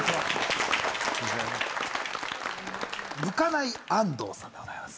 むかない安藤さんでございます。